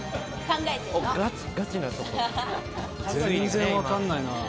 全然わかんないなぁ。